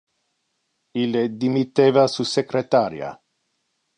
Ille dimitteva su secretaria.